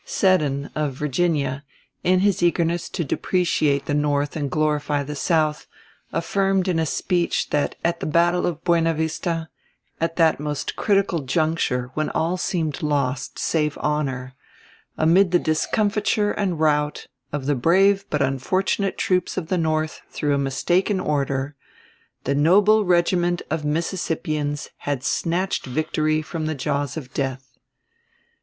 Seddon, of Virginia, in his eagerness to depreciate the North and glorify the South, affirmed in a speech that at the battle of Buena Vista, "at that most critical juncture when all seemed lost save honor," amid the discomfiture and rout of "the brave but unfortunate troops of the North through a mistaken order," "the noble regiment of Mississippians" had snatched victory from the jaws of death.